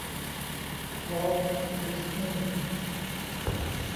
วอลต์ ดิสนีย์